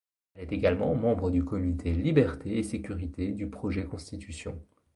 Elle est également membre du comité liberté et sécurité du Projet Constitution.